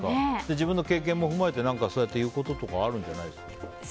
自分の経験も踏まえてそうやって言うこととかあるんじゃないですか。